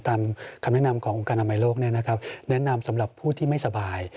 ตามคำแนะนำขององค์การอนามัยโรคเนี่ยนะครับแนะนำสำหรับผู้ที่ไม่สบาย